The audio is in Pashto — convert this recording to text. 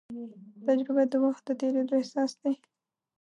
تجربه د وخت د تېرېدو احساس دی.